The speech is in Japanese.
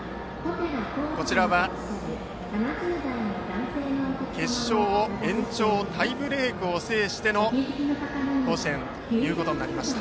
こちらは決勝を延長タイブレークで制しての甲子園ということになりました。